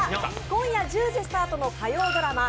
今夜１０時スタートの火曜ドラマ